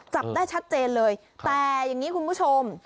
จับได้ชัดเจนเลยแต่อย่างนี้คุณผู้ชม